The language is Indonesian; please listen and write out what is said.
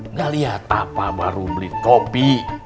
nggak lihat apa baru beli kopi